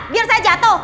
biar saya jatuh